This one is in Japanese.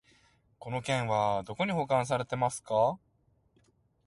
この件はどこに保管されてますか？